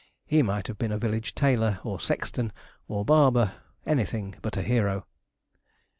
He might have been a village tailor, or sexton, or barber; anything but a hero.